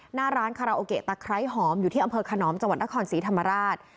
หน้าร้านคาราโอเกะตะไคร้หอมอยู่ที่อำเภอขนอมจังหวัดนครศรีธรรมราช